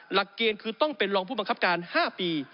หลักเกณฑ์คือต้องเป็นรองผู้บังคับการ๕ปี